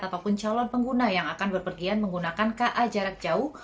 ataupun calon pengguna yang akan berpergian menggunakan ka jarak jauh